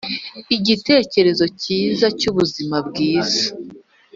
igitekerezo cyiza cyubuzima bwiza,